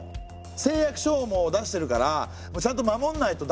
誓約書をもう出してるからちゃんと守んないとだめなの。